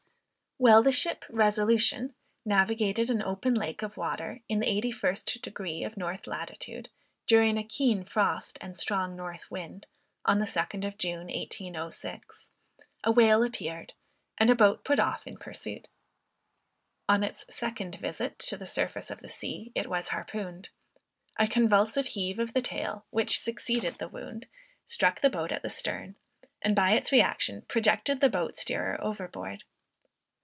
While the ship Resolution navigated an open lake of water, in the 81st degree of north latitude, during a keen frost and strong north wind, on the 2d of June 1806, a whale appeared, and a boat put off in pursuit. On its second visit to the surface of the sea, it was harpooned. A convulsive heave of the tail, which succeeded the wound, struck the boat at the stern; and by its reaction, projected the boat steerer overboard.